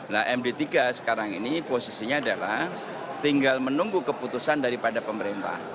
nah md tiga sekarang ini posisinya adalah tinggal menunggu keputusan daripada pemerintah